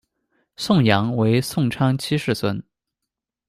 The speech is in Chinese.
宋杨为宋昌七世孙。